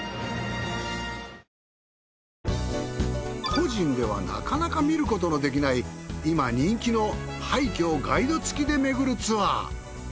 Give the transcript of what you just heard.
個人ではなかなか見ることのできない今人気の廃墟をガイド付きでめぐるツアー。